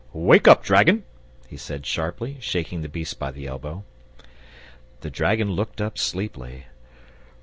Wake up, dragon!" he said sharply, shaking the beast by the elbow. The dragon looked up sleepily.